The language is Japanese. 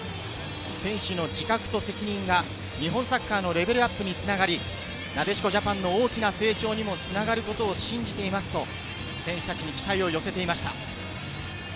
選手の自覚と責任が日本サッカーのレベルアップにつながり、なでしこジャパンの大きな成長にもつながることを信じていますと、選手たちに期待を寄せていました。